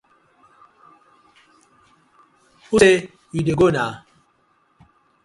Wusai yu dey go na?